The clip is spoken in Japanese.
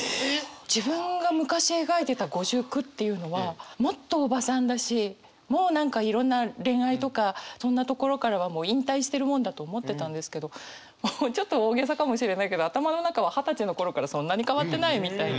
自分が昔描いてた５９っていうのはもっとおばさんだしもう何かいろんな恋愛とかそんなところからはもう引退してるもんだと思ってたんですけどもうちょっと大げさかもしれないけど頭の中は二十歳の頃からそんなに変わってないみたいな。